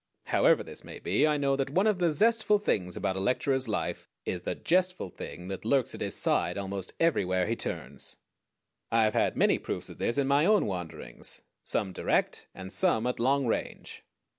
However this may be, I know that one of the zestful things about a lecturer's life is the jestful thing that lurks at his side almost everywhere he turns. I have had many proofs of this in my own wanderings; some direct, and some at long range.